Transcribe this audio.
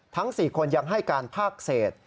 ทั้ง๔คนยังให้การภาคเศษ